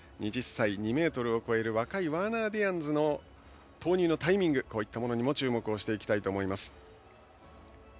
２０歳、２ｍを越える若いワーナー・ディアンズの投入のタイミングにも注目したいと思います。